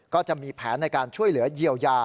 ก็จะมีแผนในการช่วยเหลือเยียวยา